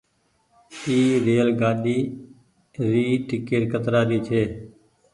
ريل گآڏي ري ٽيڪٽ ڪترآ ري ڇي۔